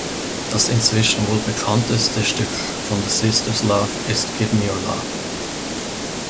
Das inzwischen wohl bekannteste Stück von The Sisters Love ist „Give Me Your Love“.